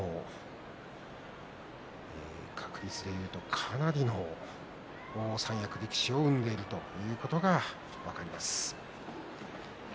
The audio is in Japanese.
確率でいうと多くの力士を生んでいるということが分かります。